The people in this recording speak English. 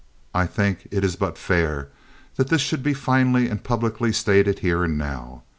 I think it is but fair that this should be finally and publicly stated here and now.